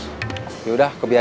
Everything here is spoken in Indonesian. soalnya udah kayak victor